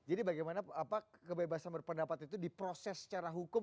jadi bagaimana apa kebebasan berpendapat itu diproses secara hukum